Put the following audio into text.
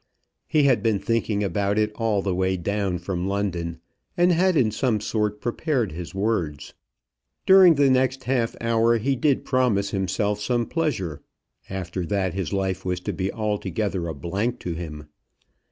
He had been thinking about it all the way down from London, and had in some sort prepared his words. During the next half hour he did promise himself some pleasure, after that his life was to be altogether a blank to him.